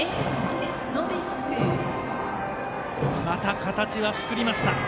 また形は作りました。